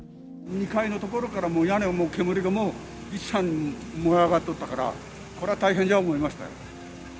２階の所から屋根も煙ももう、燃え上がっとったから、これは大変じゃ思いましたよ。